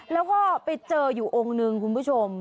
แล้วก็ไปเจออยู่องค์นึงคุณผู้ชม